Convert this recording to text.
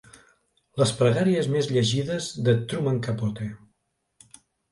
Les pregàries més llegides de Truman Capote.